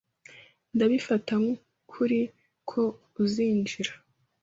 Ndabifata nk'ukuri ko uzinjira.